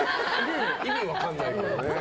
意味分かんないけどね。